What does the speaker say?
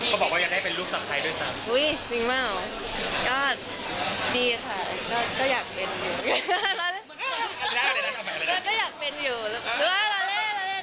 บอกว่าอยากได้เป็นลูกศรัทไทยด้วยซ้ำ